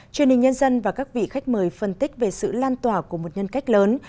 truyền hình nhân dân và các vị khách mời phân tích về sự lan tỏa của một nhân cách lớn